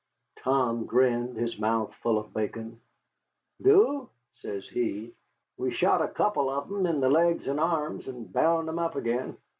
Tom grinned, his mouth full of bacon. "Do?" says he; "we shot a couple of 'em in the legs and arms, and bound 'em up again.